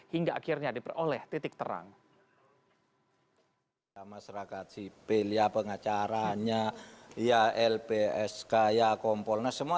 hingga akhirnya diperoleh titik terang masyarakat sipil ya pengacaranya ya lps kaya kompornya semua